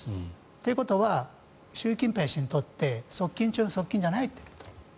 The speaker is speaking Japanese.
ということは習近平氏にとって側近中の側近じゃないということ。